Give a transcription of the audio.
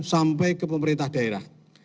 sampai ke pemerintah daerah